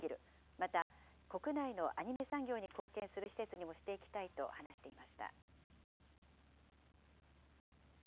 また、国内のアニメ産業に貢献する施設にもしていきたいと話していました。